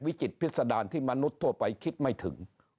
จิตพิษดารที่มนุษย์ทั่วไปคิดไม่ถึง